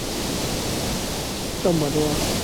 圣伯多禄教区教堂位于卢比安纳市中心。